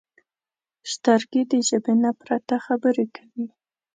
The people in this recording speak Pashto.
سترګې د ژبې نه پرته خبرې کوي